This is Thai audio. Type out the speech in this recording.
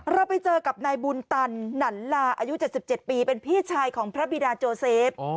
เราไปเจอกับนายบุญตันหนันลาอายุ๗๗ปีเป็นพี่ชายของพระบิดาโจเซฟ